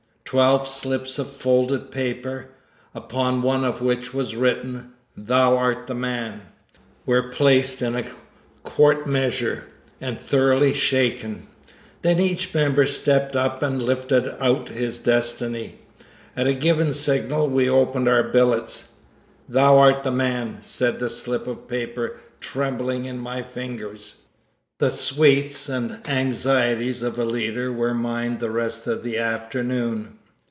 Twelve slips of folded paper, upon one of which was written "Thou art the man," were placed in a quart measure, and thoroughly shaken; then each member stepped up and lifted out his destiny. At a given signal we opened our billets. "Thou art the man," said the slip of paper trembling in my fingers. The sweets and anxieties of a leader were mine the rest of the afternoon.